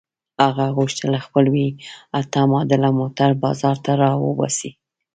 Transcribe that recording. هغه غوښتل خپل وي اته ماډل موټر بازار ته را وباسي.